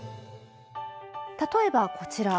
例えばこちら。